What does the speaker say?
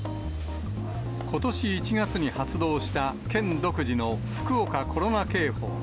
ことし１月に発動した、県独自の福岡コロナ警報。